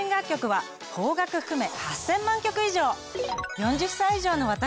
４０歳以上の私